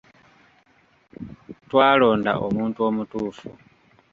Twalonda omuntu omutuufu.